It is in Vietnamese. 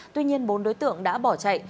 tuy nhiên bốn đối tượng đã bỏ chạy